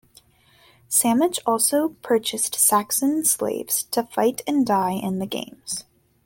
Symmachus also purchased Saxon slaves to fight and die in the games.